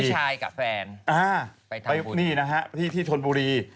คือผู้ชายกับแฟนไปทำบุญนี่นะฮะที่ชนบุรี